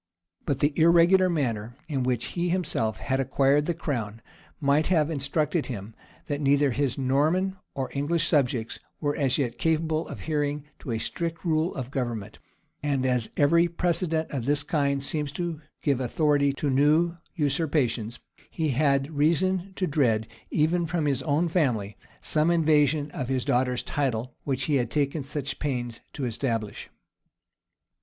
But the irregular manner in which he himself had acquired the crown might have instructed him, that neither his Norman nor English subjects were as yet capable of adhering to a strict rule of government; and as every precedent of this kind seems to give authority to new usurpations, he had reason to dread, even from his own family, some invasion of his daughter's title, which he had taken such pains to establish.